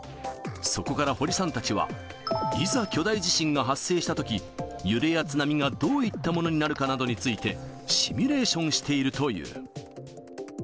そこから堀さんたちは、いざ巨大地震が発生したとき、揺れや津波がどういったものになるかなどについて、シミュレーションしているという。